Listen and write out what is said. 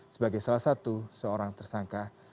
sebagai salah satu seorang tersangka